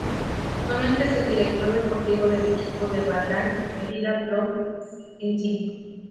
Actualmente es director deportivo del equipo Bahrain Merida Pro Cycling Team.